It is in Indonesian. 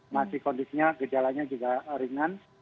masih kondisinya gejalanya juga ringan